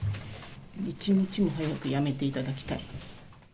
一日も早く辞めていただきたい。